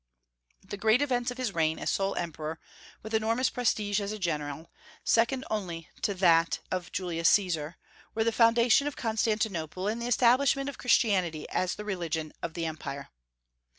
The great events of his reign as sole emperor, with enormous prestige as a general, second only to that of Julius Caesar, were the foundation of Constantinople and the establishment of Christianity as the religion of the Empire.